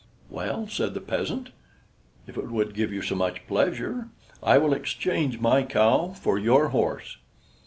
"Well," said the peasant, "if it would give you so much pleasure, I will exchange my cow for your horse."